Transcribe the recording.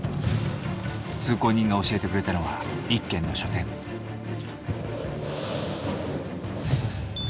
通行人が教えてくれたのは１軒の書店すみません。